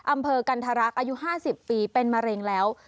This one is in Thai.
อำเภอกันทรักอายุ๕๐ปีเป็นมะเร็งแล้ว